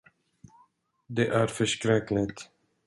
Det är förskräckligt!